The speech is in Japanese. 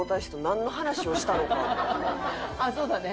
ああそうだね。